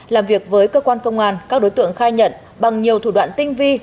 làm việc với cơ quan công an các đối tượng khai nhận bằng nhiều thủ đoạn tinh vi